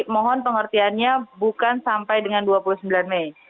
mohon pengertiannya bukan sampai dengan dua puluh sembilan mei